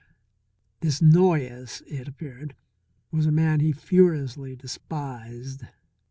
This Noyes, it appeared, was a man he furiously despised.